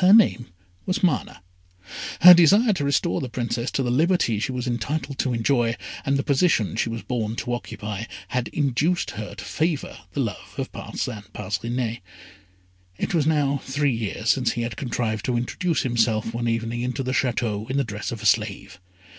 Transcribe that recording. Her name was Mana. Her desire to restore the Princess to the liberty she was entitled to enjoy, and the position she was born to occupy, had induced her to favour the love of Parcin Parcinet. It was now three years since he had contrived to introduce himself one evening into the Château in the dress of a slave.